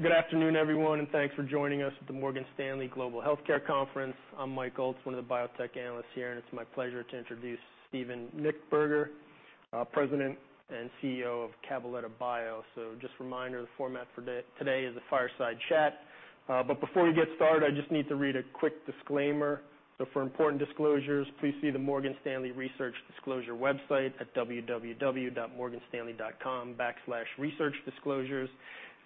Good afternoon, everyone, and thanks for joining us at the Morgan Stanley Global Healthcare Conference. I'm Mike Ault, one of the biotech analysts here, and it's my pleasure to introduce Steven Nichtberger, President and CEO of Cabaletta Bio. Just a reminder, the format for today is a fireside chat. But before we get started, I just need to read a quick disclaimer. For important disclosures, please see the Morgan Stanley Research Disclosure website at www.morganstanley.com/researchdisclosures.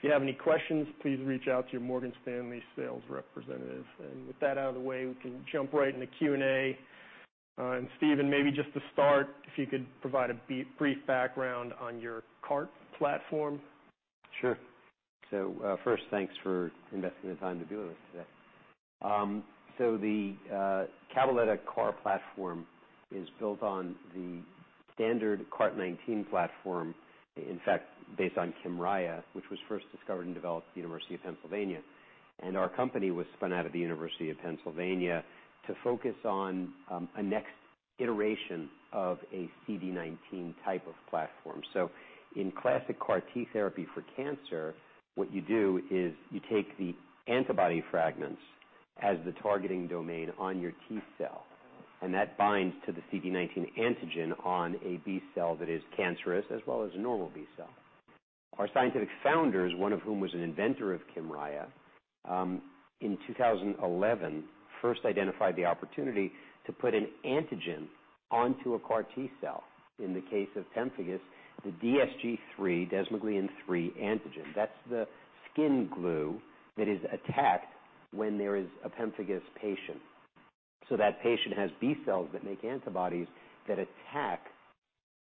If you have any questions, please reach out to your Morgan Stanley sales representative. With that out of the way, we can jump right into Q&A. Steven, maybe just to start, if you could provide a brief background on your CART platform. Sure. First, thanks for investing the time to be with us today. The Cabaletta CAR platform is built on the standard CART19 platform, in fact, based on Kymriah, which was first discovered and developed at the University of Pennsylvania. Our company was spun out of the University of Pennsylvania to focus on a next iteration of a CD19 type of platform. In classic CAR T therapy for cancer, what you do is you take the antibody fragments as the targeting domain on your T cell, and that binds to the CD19 antigen on a B cell that is cancerous, as well as a normal B cell. Our scientific founders, one of whom was an inventor of Kymriah, in 2011, first identified the opportunity to put an antigen onto a CAR T cell. In the case of pemphigus, the DSG3, desmoglein 3 antigen. That's the skin glue that is attacked when there is a pemphigus patient. That patient has B cells that make antibodies that attack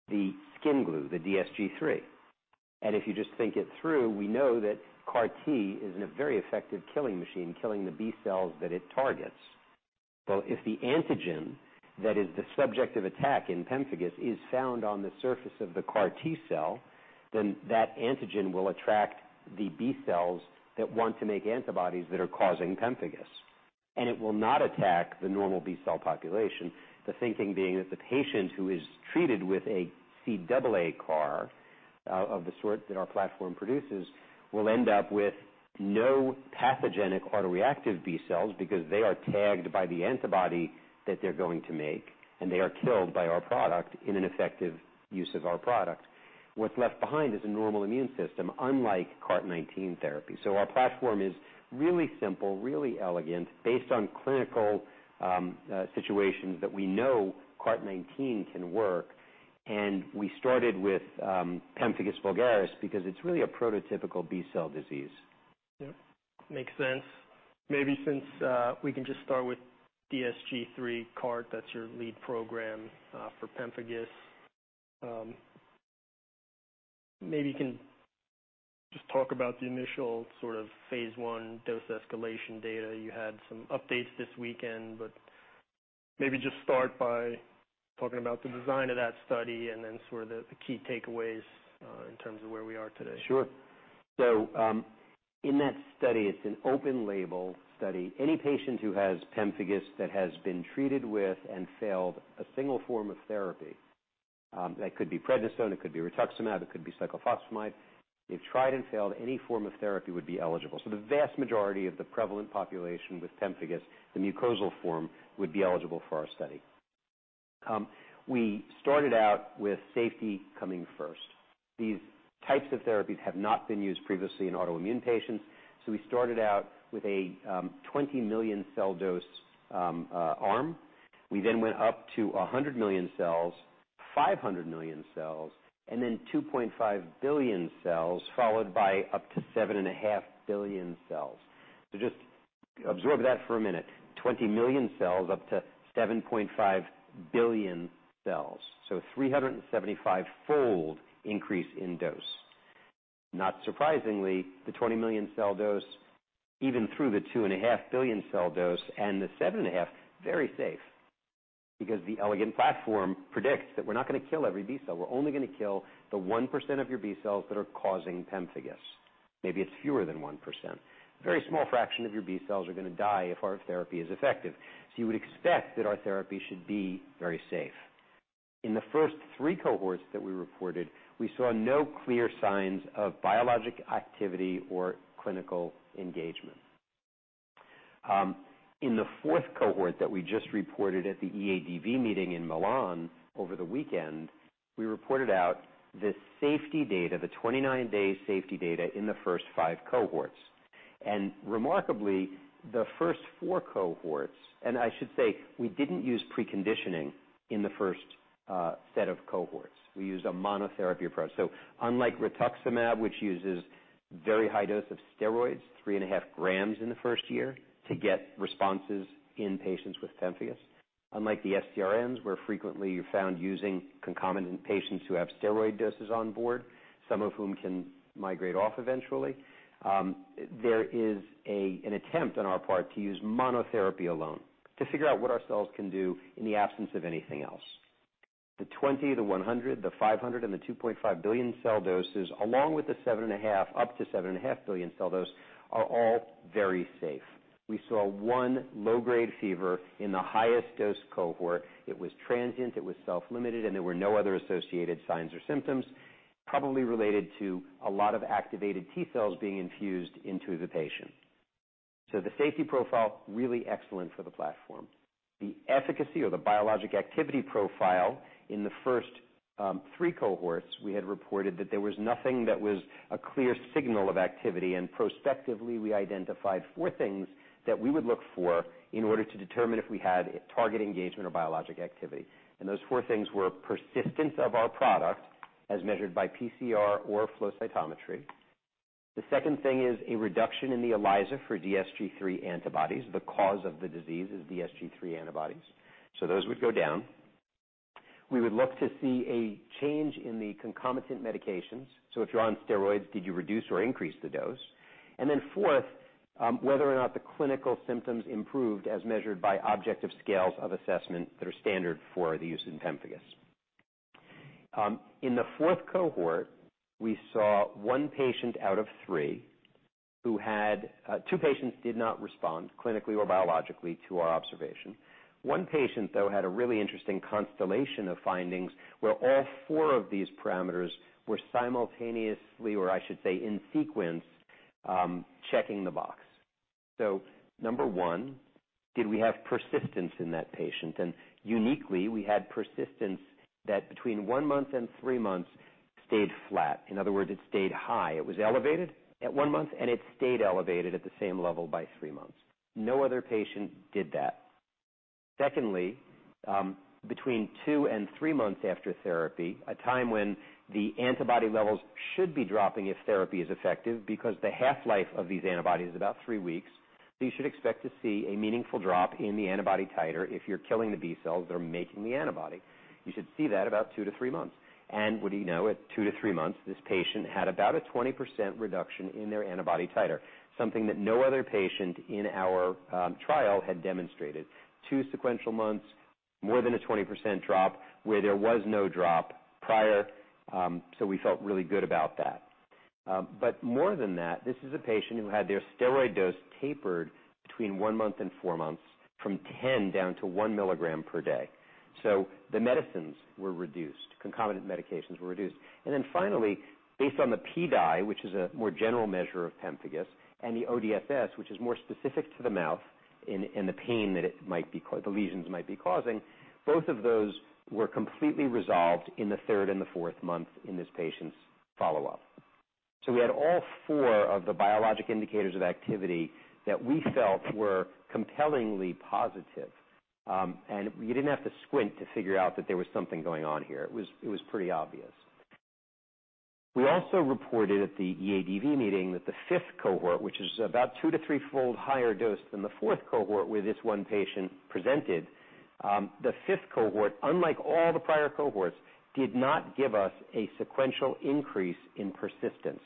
the skin glue, the DSG3. If you just think it through, we know that CAR T is a very effective killing machine, killing the B cells that it targets. If the antigen that is the subject of attack in pemphigus is found on the surface of the CAR T cell, then that antigen will attract the B cells that want to make antibodies that are causing pemphigus. It will not attack the normal B cell population, the thinking being that the patient who is treated with a CAAR, of the sort that our platform produces, will end up with no pathogenic autoreactive B cells because they are tagged by the antibody that they're going to make, and they are killed by our product in an effective use of our product. What's left behind is a normal immune system, unlike CAART 19 therapy. Our platform is really simple, really elegant, based on clinical situations that we know CAART 19 can work. We started with pemphigus vulgaris because it's really a prototypical B-cell disease. Yep. Makes sense. Maybe since we can just start with DSG3 CAART, that's your lead program for pemphigus. Maybe you can just talk about the initial sort of phase one dose escalation data. You had some updates this weekend, but maybe just start by talking about the design of that study and then sort of the key takeaways in terms of where we are today. Sure. In that study, it's an open label study. Any patient who has pemphigus that has been treated with and failed a single form of therapy, that could be prednisone, it could be rituximab, it could be cyclophosphamide. They've tried and failed, any form of therapy would be eligible. The vast majority of the prevalent population with pemphigus, the mucosal form, would be eligible for our study. We started out with safety coming first. These types of therapies have not been used previously in autoimmune patients, so we started out with a 20 million cell dose arm. We then went up to a 100 million cells, 500 million cells, and then 2.5 billion cells, followed by up to 7.5 billion cells. Just absorb that for a minute. 20 million cells up to 7.5 billion cells. 375-fold increase in dose. Not surprisingly, the 20 million cell dose, even through the 2.5 billion cell dose and the 7.5 billion cells, very safe, because the elegant platform predicts that we're not gonna kill every B cell. We're only gonna kill the 1% of your B cells that are causing pemphigus. Maybe it's fewer than 1%. A very small fraction of your B cells are gonna die if our therapy is effective. You would expect that our therapy should be very safe. In the first three cohorts that we reported, we saw no clear signs of biologic activity or clinical engagement. In the fourth cohort that we just reported at the EADV meeting in Milan over the weekend, we reported out the safety data, the 29-day safety data in the first five cohorts. Remarkably, the first four cohorts. I should say, we didn't use preconditioning in the first set of cohorts. We used a monotherapy approach. Unlike rituximab, which uses very high dose of steroids, 3.5 grams in the first year to get responses in patients with pemphigus. Unlike the SDRNs, where frequently you found using concomitant patients who have steroid doses on board, some of whom can migrate off eventually. There is an attempt on our part to use monotherapy alone to figure out what our cells can do in the absence of anything else. The 20 million cells, the 100 million cells, the 500 million cells, and the 2.5 billion cell doses, along with the 7.5 billion cell doses, up to 7.5 billion cell dose, are all very safe. We saw one low-grade fever in the highest dose cohort. It was transient, it was self-limited, and there were no other associated signs or symptoms, probably related to a lot of activated T cells being infused into the patient. The safety profile, really excellent for the platform. The efficacy or the biologic activity profile in the first three cohorts, we had reported that there was nothing that was a clear signal of activity. Prospectively, we identified four things that we would look for in order to determine if we had target engagement or biologic activity. Those four things were persistence of our product as measured by PCR or flow cytometry. The second thing is a reduction in the ELISA for DSG3 antibodies. The cause of the disease is DSG3 antibodies. Those would go down. We would look to see a change in the concomitant medications. If you're on steroids, did you reduce or increase the dose? Fourth, whether or not the clinical symptoms improved as measured by objective scales of assessment that are standard for the use in pemphigus. In the fourth cohort, we saw one patient out of three. Two patients did not respond clinically or biologically to our observation. One patient, though, had a really interesting constellation of findings where all four of these parameters were simultaneously, or I should say in sequence, checking the box. Number one, did we have persistence in that patient? Uniquely, we had persistence that between one month and three months stayed flat. In other words, it stayed high. It was elevated at one month, and it stayed elevated at the same level by three months. No other patient did that. Secondly, between two and three months after therapy, a time when the antibody levels should be dropping if therapy is effective, because the half-life of these antibodies is about three weeks, so you should expect to see a meaningful drop in the antibody titer if you're killing the B cells that are making the antibody. You should see that about two to three months. What do you know? At two to three months, this patient had about a 20% reduction in their antibody titer, something that no other patient in our trial had demonstrated. Two sequential months, more than a 20% drop where there was no drop prior. We felt really good about that. More than that, this is a patient who had their steroid dose tapered between one month and four months, from 10 down to 1 mg per day. The medicines were reduced, concomitant medications were reduced. Finally, based on the PDAI, which is a more general measure of pemphigus, and the ODFS, which is more specific to the mouth and the pain that the lesions might be causing, both of those were completely resolved in the third and the fourth month in this patient's follow-up. We had all four of the biologic indicators of activity that we felt were compellingly positive, and you didn't have to squint to figure out that there was something going on here. It was pretty obvious. We also reported at the EADV meeting that the fifth cohort, which is about two to three-fold higher dose than the fourth cohort where this one patient presented, the fifth cohort, unlike all the prior cohorts, did not give us a sequential increase in persistence.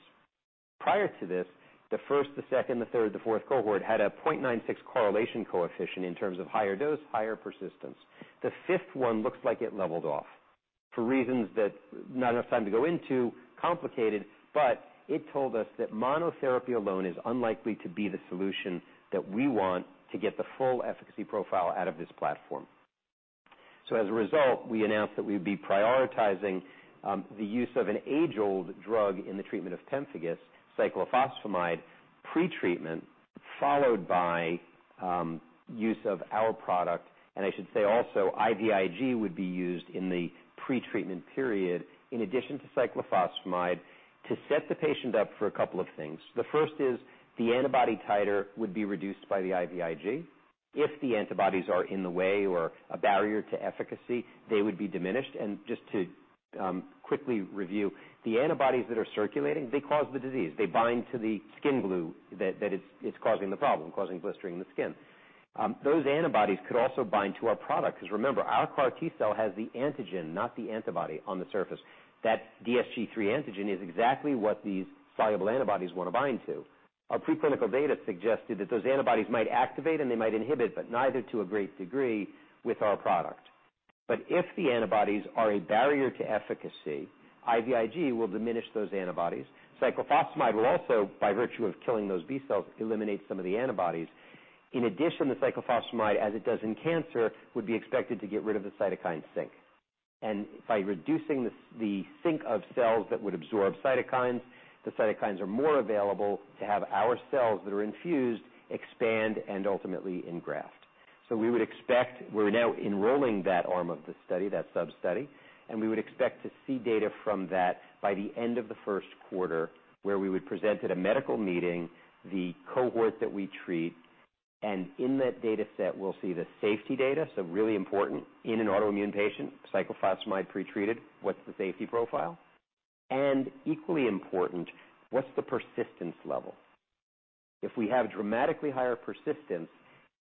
Prior to this, the first, the second, the third, the fourth cohort had a 0.96 correlation coefficient in terms of higher dose, higher persistence. The fifth one looks like it leveled off for reasons that not enough time to go into, complicated, but it told us that monotherapy alone is unlikely to be the solution that we want to get the full efficacy profile out of this platform. As a result, we announced that we'd be prioritizing the use of an age-old drug in the treatment of pemphigus, cyclophosphamide pre-treatment, followed by use of our product. I should say also IVIG would be used in the pre-treatment period in addition to cyclophosphamide to set the patient up for a couple of things. The first is the antibody titer would be reduced by the IVIG. If the antibodies are in the way or a barrier to efficacy, they would be diminished. Just to quickly review, the antibodies that are circulating, they cause the disease. They bind to the skin glue that is causing the problem, causing blistering the skin. Those antibodies could also bind to our product because remember, our CAR T-cell has the antigen, not the antibody on the surface. That DSG3 antigen is exactly what these soluble antibodies wanna bind to. Our preclinical data suggested that those antibodies might activate and they might inhibit, but neither to a great degree with our product. If the antibodies are a barrier to efficacy, IVIG will diminish those antibodies. Cyclophosphamide will also, by virtue of killing those B cells, eliminate some of the antibodies. In addition, the cyclophosphamide, as it does in cancer, would be expected to get rid of the cytokine sink. By reducing the sink of cells that would absorb cytokines, the cytokines are more available to have our cells that are infused expand and ultimately engraft. We would expect. We're now enrolling that arm of the study, that sub-study, and we would expect to see data from that by the end of the first quarter, where we would present at a medical meeting the cohort that we treat, and in that dataset, we'll see the safety data. Really important in an autoimmune patient, cyclophosphamide pre-treated, what's the safety profile? Equally important, what's the persistence level? If we have dramatically higher persistence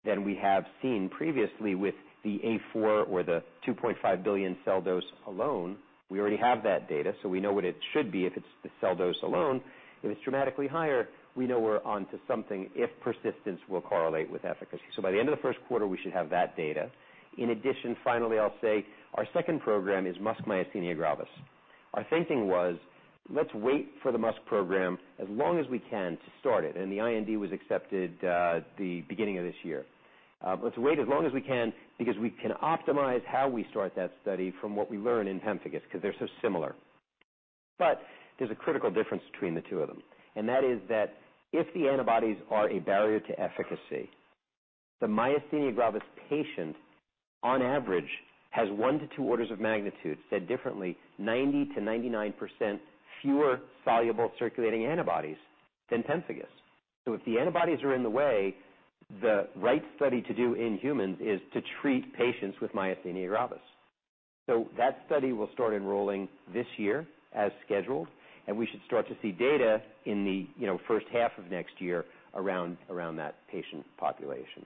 than we have seen previously with the A4 or the 2.5 billion cell dose alone, we already have that data, so we know what it should be if it's the cell dose alone. If it's dramatically higher, we know we're onto something if persistence will correlate with efficacy. By the end of the first quarter, we should have that data. In addition, finally, I'll say our second program is myasthenia gravis. Our thinking was, let's wait for the MuSK program as long as we can to start it, and the IND was accepted the beginning of this year. Let's wait as long as we can because we can optimize how we start that study from what we learn in pemphigus because they're so similar. There's a critical difference between the two of them, and that is that if the antibodies are a barrier to efficacy, the myasthenia gravis patient on average has one to two orders of magnitude, said differently, 90%-99% fewer soluble circulating antibodies than pemphigus. If the antibodies are in the way, the right study to do in humans is to treat patients with myasthenia gravis. That study will start enrolling this year as scheduled, and we should start to see data in the, you know, first half of next year around that patient population.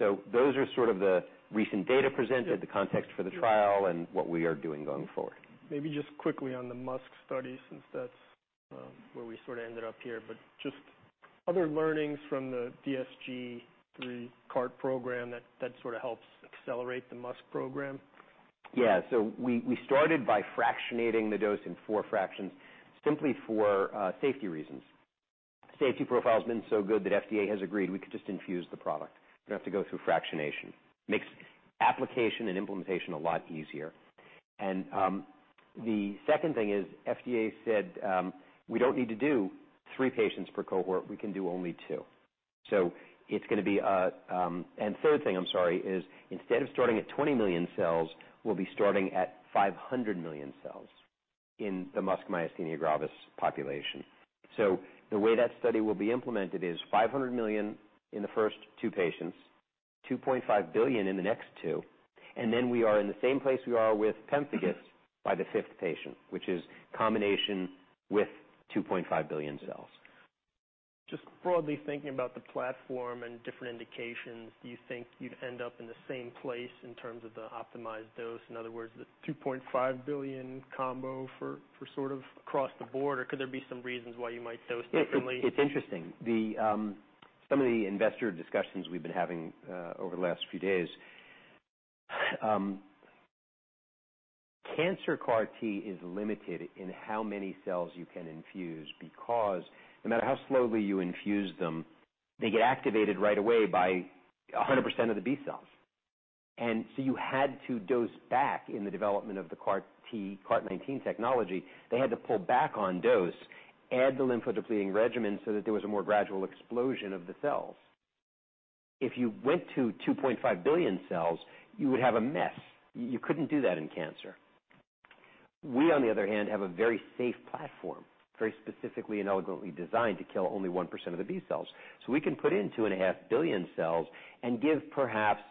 Those are sort of the recent data presented, the context for the trial, and what we are doing going forward. Maybe just quickly on the MuSK study, since that's where we sort of ended up here, but just other learnings from the DSG3 CAART program that sort of helps accelerate the MuSK program. Yeah. We started by fractionating the dose in four fractions simply for safety reasons. Safety profile has been so good that FDA has agreed we could just infuse the product. We don't have to go through fractionation. Makes application and implementation a lot easier. The second thing is FDA said we don't need to do three patients per cohort, we can do only two. The third thing, I'm sorry, is instead of starting at 20 million cells, we'll be starting at 500 million cells in the MuSK myasthenia gravis population. The way that study will be implemented is 500 million in the first two patients, 2.5 billion cells in the next two, and then we are in the same place we are with pemphigus by the fifth patient, which is combination with 2.5 billion cells. Just broadly thinking about the platform and different indications, do you think you'd end up in the same place in terms of the optimized dose? In other words, the 2.5 billion cells combo for sort of across the board, or could there be some reasons why you might dose differently? It's interesting. Some of the investor discussions we've been having over the last few days, cancer CAR T is limited in how many cells you can infuse because no matter how slowly you infuse them, they get activated right away by 100% of the B cells. You had to dose back in the development of the CAR T CAART19 technology. They had to pull back on dose, add the lymphodepleting regimen so that there was a more gradual explosion of the cells. If you went to 2.5 billion cells, you would have a mess. You couldn't do that in cancer. We, on the other hand, have a very safe platform, very specifically and elegantly designed to kill only 1% of the B cells. We can put in 2.5 billion cells and give perhaps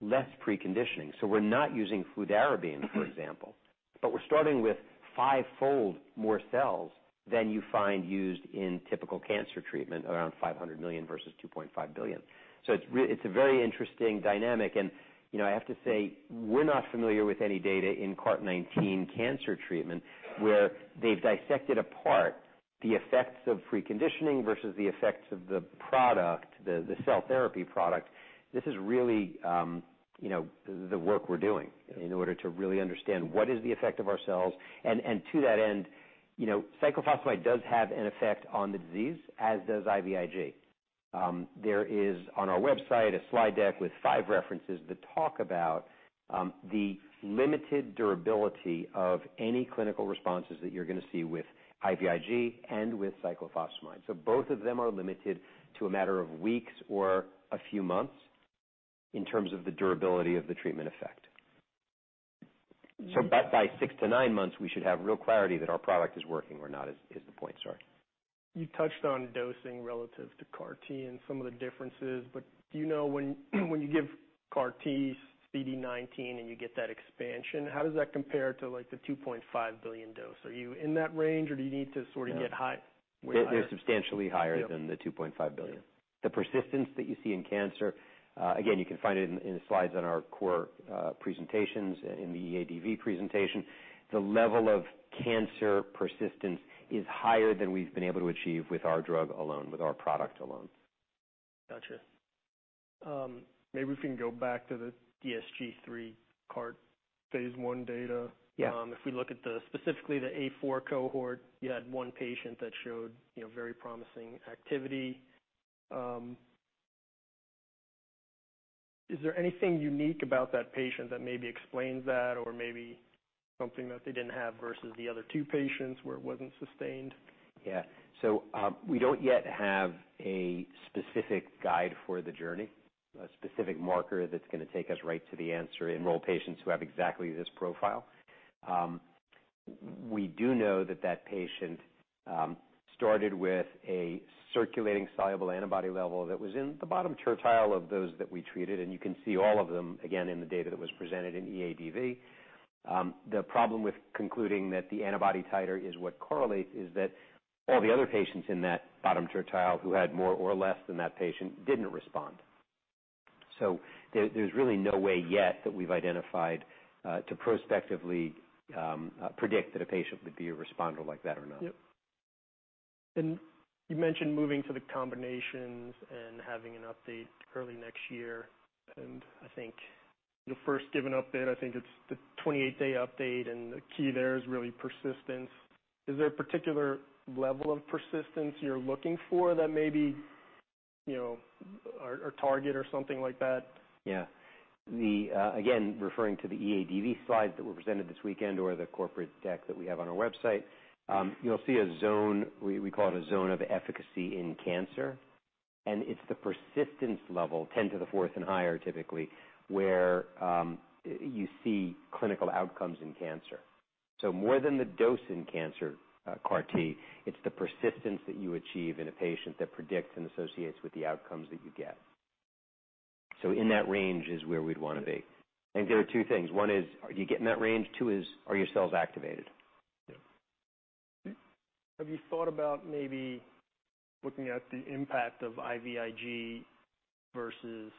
less preconditioning. We're not using fludarabine, for example, but we're starting with fivefold more cells than you find used in typical cancer treatment, around 500 million cells versus 2.5 billion cells. It's a very interesting dynamic. You know, I have to say, we're not familiar with any data in CAART19 cancer treatment where they've dissected apart the effects of preconditioning versus the effects of the product, the cell therapy product. This is really, you know, the work we're doing in order to really understand what is the effect of our cells. And to that end, you know, cyclophosphamide does have an effect on the disease, as does IVIG. There is on our website a slide deck with five references that talk about the limited durability of any clinical responses that you're gonna see with IVIG and with cyclophosphamide. Both of them are limited to a matter of weeks or a few months in terms of the durability of the treatment effect. By six to nine months, we should have real clarity that our product is working or not, is the point. Sorry. You touched on dosing relative to CAR T and some of the differences, but do you know when you give CAR T CD19 and you get that expansion, how does that compare to, like, the 2.5 billion dose? Are you in that range, or do you need to sort of get high, way higher? They're substantially higher- Yeah. ...than the 2.5 billion. The persistence that you see in cancer, again, you can find it in the slides on our core presentations in the EADV presentation. The level of cancer persistence is higher than we've been able to achieve with our drug alone, with our product alone. Gotcha. Maybe if we can go back to the DSG3 CAART phase I data. Yeah. If we look at the, specifically the A4 cohort, you had one patient that showed, you know, very promising activity. Is there anything unique about that patient that maybe explains that or maybe something that they didn't have versus the other two patients where it wasn't sustained? Yeah. We don't yet have a specific guide for the journey, a specific marker that's gonna take us right to the answer, enroll patients who have exactly this profile. We do know that that patient started with a circulating soluble antibody level that was in the bottom tertile of those that we treated, and you can see all of them again in the data that was presented in EADV. The problem with concluding that the antibody titer is what correlates is that all the other patients in that bottom tertile who had more or less than that patient didn't respond. There's really no way yet that we've identified to prospectively predict that a patient would be a responder like that or not. Yep. You mentioned moving to the combinations and having an update early next year, and I think the first given update, I think it's the 28-day update, and the key there is really persistence. Is there a particular level of persistence you're looking for that. You know, or target or something like that. Yeah. Again, referring to the EADV slide that were presented this weekend or the corporate deck that we have on our website, you'll see a zone we call it a zone of efficacy in cancer, and it's the persistence level, 10 to the fourth and higher, typically, where you see clinical outcomes in cancer. More than the dose in cancer, CAR T, it's the persistence that you achieve in a patient that predicts and associates with the outcomes that you get. In that range is where we'd wanna be. Yeah. I think there are two things. One is, are you getting that range? Two is, are your cells activated? Yeah. Have you thought about maybe looking at the impact of IVIG versus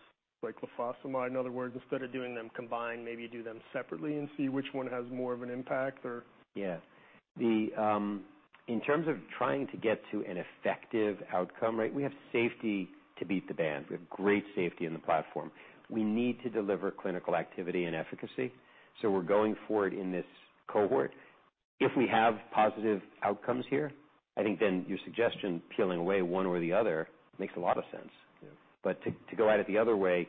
cyclophosphamide? In other words, instead of doing them combined, maybe do them separately and see which one has more of an impact or. Yeah. In terms of trying to get to an effective outcome, right, we have safety to beat the band. We have great safety in the platform. We need to deliver clinical activity and efficacy, so we're going forward in this cohort. If we have positive outcomes here, I think then your suggestion, peeling away one or the other, makes a lot of sense. Yeah. To go at it the other way,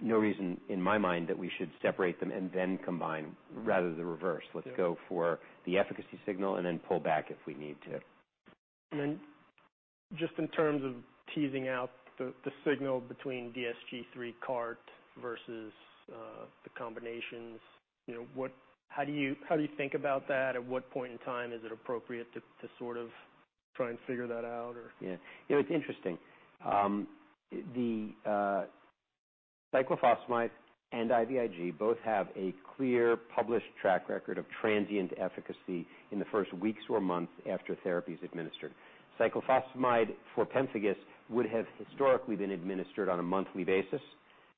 no reason in my mind that we should separate them and then combine rather than reverse. Yeah. Let's go for the efficacy signal and then pull back if we need to. Just in terms of teasing out the signal between DSG3 CAART versus the combinations, you know, how do you think about that? At what point in time is it appropriate to sort of try and figure that out or? Yeah. You know, it's interesting. The cyclophosphamide and IVIG both have a clear published track record of transient efficacy in the first weeks or months after therapy's administered. Cyclophosphamide for pemphigus would have historically been administered on a monthly basis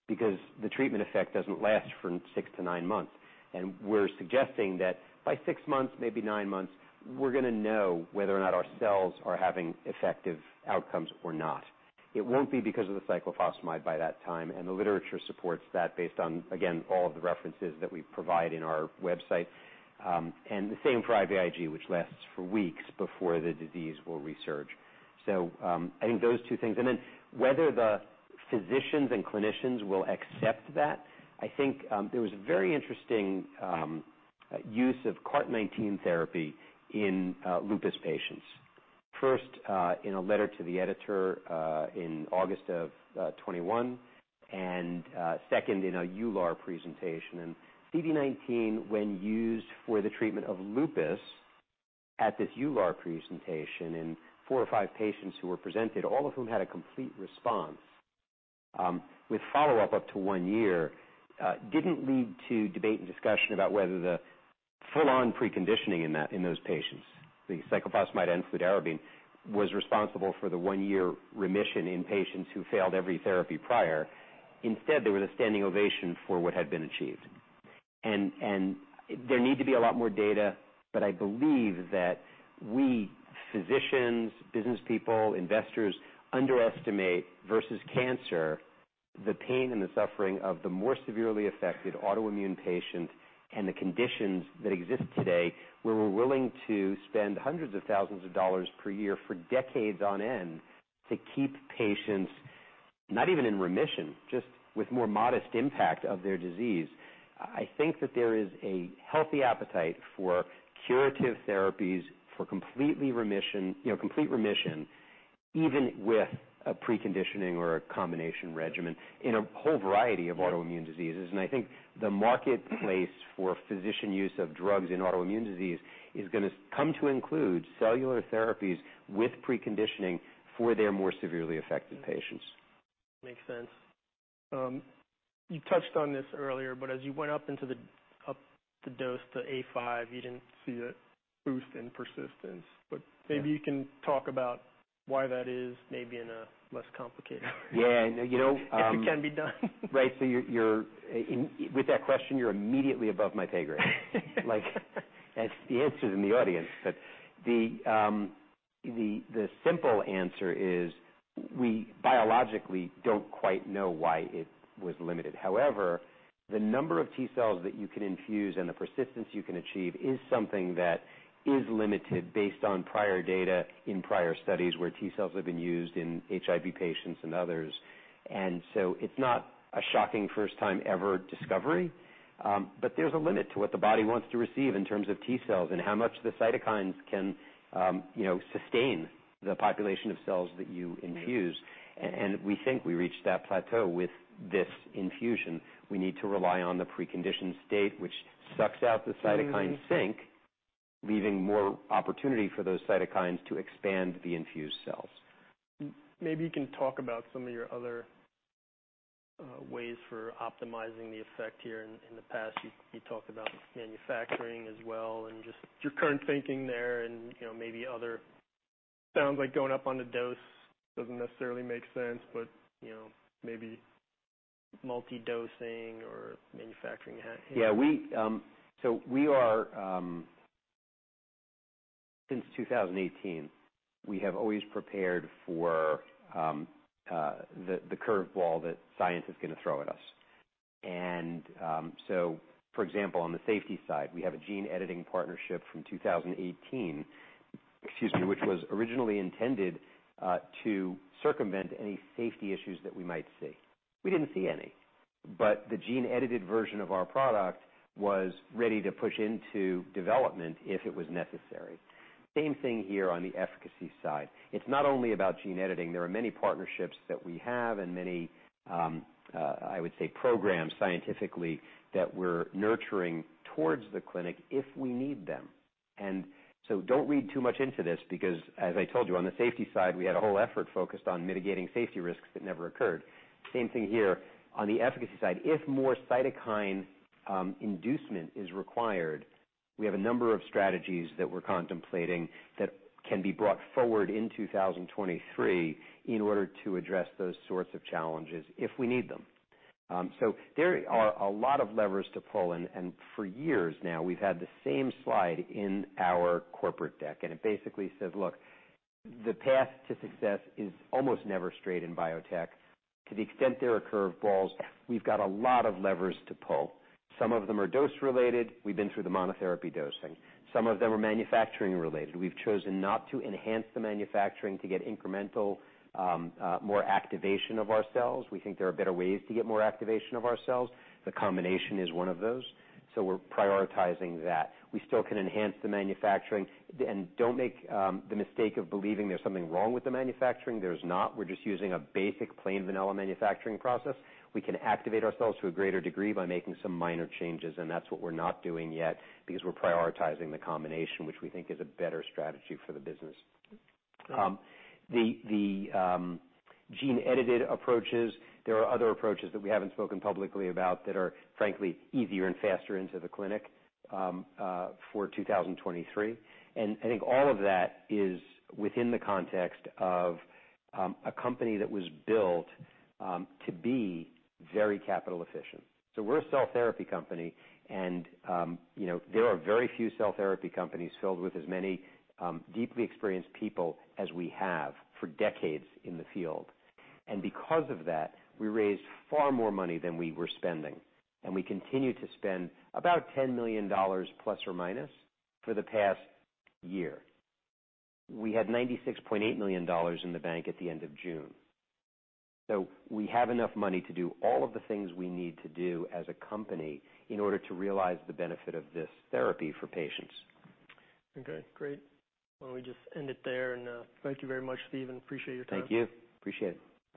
because the treatment effect doesn't last for 6-9 months. We're suggesting that by 6 months, maybe 9 months, we're gonna know whether or not our cells are having effective outcomes or not. It won't be because of the cyclophosphamide by that time, and the literature supports that based on, again, all of the references that we provide in our website. The same for IVIG, which lasts for weeks before the disease will resurge. I think those two things. Whether the physicians and clinicians will accept that, I think. There was a very interesting use of CART19 therapy in lupus patients. First, in a letter to the editor, in August of 2021, and second in a EULAR presentation. CD19, when used for the treatment of lupus at this EULAR presentation in four or five patients who were presented, all of whom had a complete response, with follow-up up to one year, didn't lead to debate and discussion about whether the full-on preconditioning in that, in those patients, the cyclophosphamide and fludarabine, was responsible for the one-year remission in patients who failed every therapy prior. Instead, there was a standing ovation for what had been achieved. There need to be a lot more data, but I believe that we physicians, business people, investors underestimate versus cancer, the pain and the suffering of the more severely affected autoimmune patient and the conditions that exist today, where we're willing to spend hundreds of thousands of dollars per year for decades on end to keep patients, not even in remission, just with more modest impact of their disease. I think that there is a healthy appetite for curative therapies, for completely remission, you know, complete remission, even with a preconditioning or a combination regimen in a whole variety of autoimmune diseases. I think the marketplace for physician use of drugs in autoimmune disease is gonna come to include cellular therapies with preconditioning for their more severely affected patients. Makes sense. You touched on this earlier, as you went up the dose to A5, you didn't see a boost in persistence. Yeah. You can talk about why that is, maybe in a less complicated way. Yeah. You know- If it can be done. Right. With that question, you're immediately above my pay grade. Like, that's the answer in the audience. The simple answer is we biologically don't quite know why it was limited. However, the number of T cells that you can infuse and the persistence you can achieve is something that is limited based on prior data in prior studies where T cells have been used in HIV patients and others. It's not a shocking first time ever discovery, but there's a limit to what the body wants to receive in terms of T cells and how much the cytokines can, you know, sustain the population of cells that you infuse. We think we reached that plateau with this infusion. We need to rely on the preconditioned state, which sucks out the cytokine sink. Leaving more opportunity for those cytokines to expand the infused cells. Maybe you can talk about some of your other ways for optimizing the effect here. In the past, you talked about manufacturing as well and just your current thinking there and, you know, maybe other. Sounds like going up on the dose doesn't necessarily make sense, but, you know, maybe multi-dosing or manufacturing hand. Yeah. Since 2018, we have always prepared for the curveball that science is gonna throw at us. For example, on the safety side, we have a gene editing partnership from 2018, excuse me, which was originally intended to circumvent any safety issues that we might see. We didn't see any, but the gene-edited version of our product was ready to push into development if it was necessary. Same thing here on the efficacy side. It's not only about gene editing. There are many partnerships that we have and many, I would say programs scientifically that we're nurturing towards the clinic if we need them. Don't read too much into this because as I told you, on the safety side, we had a whole effort focused on mitigating safety risks that never occurred. Same thing here on the efficacy side. If more cytokine inducement is required, we have a number of strategies that we're contemplating that can be brought forward in 2023 in order to address those sorts of challenges if we need them. So there are a lot of levers to pull, and for years now, we've had the same slide in our corporate deck, and it basically says, "Look, the path to success is almost never straight in biotech. To the extent there are curveballs, we've got a lot of levers to pull." Some of them are dose related. We've been through the monotherapy dosing. Some of them are manufacturing related. We've chosen not to enhance the manufacturing to get incremental, more activation of our cells. We think there are better ways to get more activation of our cells. The combination is one of those. We're prioritizing that. We still can enhance the manufacturing. Don't make the mistake of believing there's something wrong with the manufacturing. There's not. We're just using a basic plain vanilla manufacturing process. We can activate ourselves to a greater degree by making some minor changes, and that's what we're not doing yet because we're prioritizing the combination, which we think is a better strategy for the business. The gene-edited approaches, there are other approaches that we haven't spoken publicly about that are frankly easier and faster into the clinic for 2023. I think all of that is within the context of a company that was built to be very capital efficient. We're a cell therapy company, and you know, there are very few cell therapy companies filled with as many deeply experienced people as we have for decades in the field. Because of that, we raised far more money than we were spending, and we continued to spend about $10 million± for the past year. We had $96.8 million in the bank at the end of June. We have enough money to do all of the things we need to do as a company in order to realize the benefit of this therapy for patients. Okay, great. Why don't we just end it there? Thank you very much, Steven, and appreciate your time. Thank you. Appreciate it.